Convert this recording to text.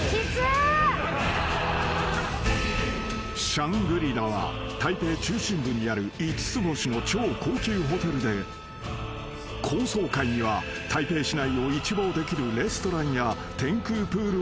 ［シャングリ・ラは台北中心部にある五つ星の超高級ホテルで高層階には台北市内を一望できるレストランや天空プールもあり